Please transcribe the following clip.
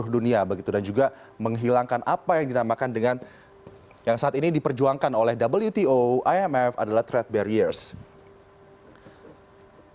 dan juga menghilangkan apa yang dinamakan dengan yang saat ini diperjuangkan oleh wto imf adalah threat barriers